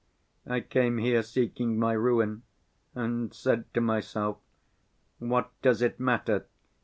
I came here seeking my ruin, and said to myself, 'What does it matter?